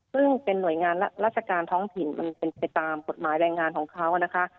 ซึ่งเป็นหน่วยงานราชการท้องถิ่นมันเป็นไปตามกฎหมายแรงงานของเขานะคะ